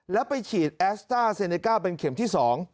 แล้วไปฉีดแอสต้าเซเนก้าเป็นเข็มที่๒